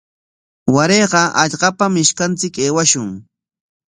Warayqa hallqapam ishkanchik aywashun.